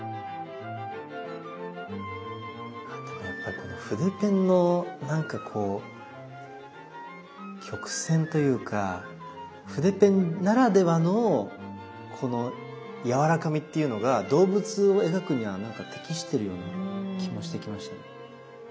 やっぱりこの筆ペンのなんかこう曲線というか筆ペンならではのこのやわらかみっていうのが動物を描くにはなんか適してるような気もしてきました。